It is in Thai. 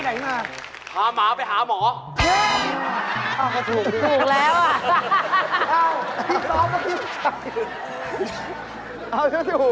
น้าไปไหนมา